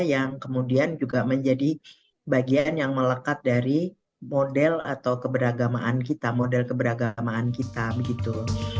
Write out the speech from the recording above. yang kemudian juga menjadi bagian yang melekat dari model atau keberagamaan kita model keberagamaan kita begitu